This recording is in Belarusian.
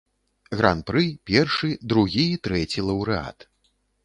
Гран-пры, першы, другі і трэці лаўрэат.